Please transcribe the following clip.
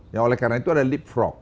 ya oleh karena itu ada leapfrog